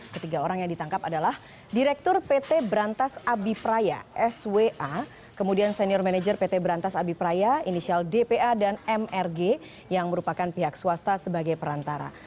ketiga orang yang ditangkap adalah direktur pt berantas abipraya swa kemudian senior manager pt berantas abipraya inisial dpa dan mrg yang merupakan pihak swasta sebagai perantara